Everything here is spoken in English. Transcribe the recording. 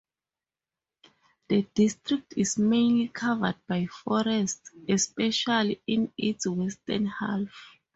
The district is mainly covered by forests, especially in its western half.